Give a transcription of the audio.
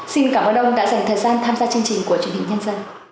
xin cảm ơn ông đã dành thời gian tham gia chương trình của truyền hình nhân dân